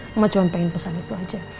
cuma pengen pesan itu aja